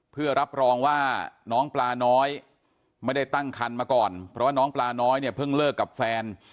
เพื่อรับรองว่าน้องปลาน้อยไม่ได้ตั้งคันมาก่อนเพราะว่าน้องปลาน้อยเนี่ยเพิ่งเลิกกับแฟน